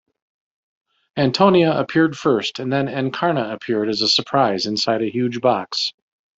Antonia appeared first and then Encarna appeared as a surprise inside a huge box.